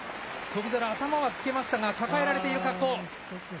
翔猿、頭はつけましたが、抱えられている格好。